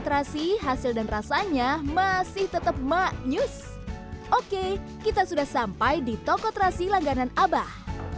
terasi hasil dan rasanya masih tetap maknyus oke kita sudah sampai di toko terasi langganan abah